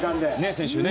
先週ね。